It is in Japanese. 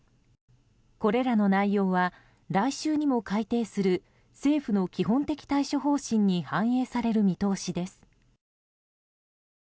これらの内容は来週にも改定する政府の基本的対処方針に反映される見通しです。